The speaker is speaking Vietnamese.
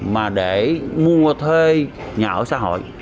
mà để mua thuê nhà ở xã hội